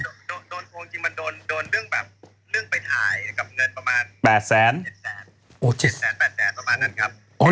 โดนโกงจริงมันโดนเรื่องแบบเรื่องไปถ่ายกับเงินประมาณ